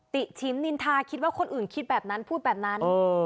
ติชิมนินทาคิดว่าคนอื่นคิดแบบนั้นพูดแบบนั้น